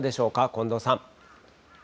近藤さん。